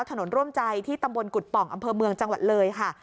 ร่วมใจที่ตำบลกุฎป่องอำเภอเมืองจังหวัดเลยค่ะ